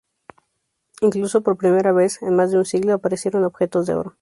Incluso, por primera vez en más de un siglo, aparecieron objetos de oro.